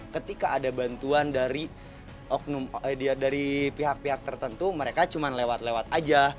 ketika ada bantuan dari pihak pihak tertentu mereka cuma lewat lewat aja